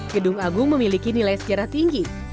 gedung agung memiliki nilai sejarah tinggi